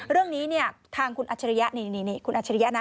เรื่องนี้เนี่ยทางคุณอัจฉริยะนี่คุณอัจฉริยะนะ